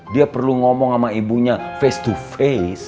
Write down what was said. dia perlu ngomong sama ibunya face to face